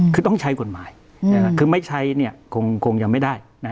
คือต้องใช้กฎหมายคือไม่ใช้คงยังไม่ได้